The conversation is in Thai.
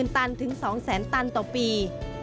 ตันถึง๒๐๐๐ตันต่อปี